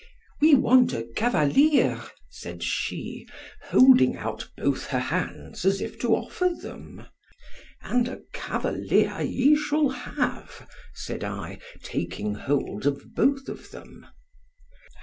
We want a cavalier, said she, holding out both her hands, as if to offer them—And a cavalier ye shall have; said I, taking hold of both of them.